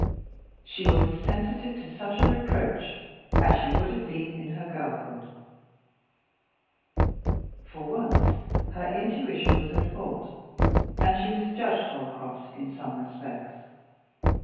She was as sensitive to such a reproach as she would have been in her girlhood. For once her intuition was at fault, and she misjudged Holcroft in some respects.